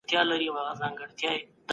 په راتلونکي کي به د درواغو کیسې رسوا سي.